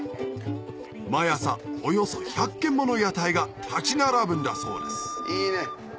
毎朝およそ１００軒もの屋台が立ち並ぶんだそうです